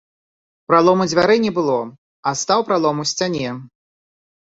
Пралому дзвярэй не было, а стаў пралом у сцяне.